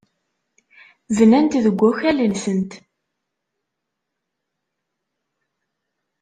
Bnant deg wakal-nsent.